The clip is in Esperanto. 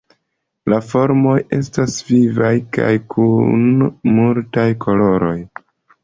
La formoj estas vivaj kaj kun multaj koloroj.